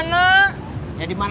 emang kejar kejarannya di mana